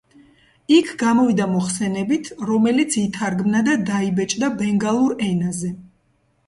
იქ გამოვიდა მოხსენებით, რომელიც ითარგმნა და დაიბეჭდა ბენგალურ ენაზე.